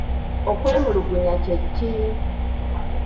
Okwemulugunya kye ki?